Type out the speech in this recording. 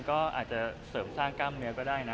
ก็อาจจะเสริมสร้างกล้ามเนื้อก็ได้นะ